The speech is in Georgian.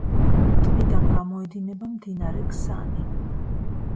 ტბიდან გამოედინება მდინარე ქსანი.